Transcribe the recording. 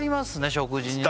食事にね